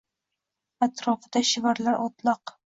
Atrofida shivirlar o’tloq.